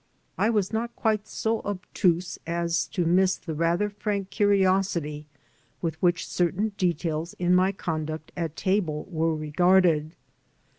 I was not quite so obtuse as to miss the rather frank curiosity with which certain details in my conduct at table were regarded.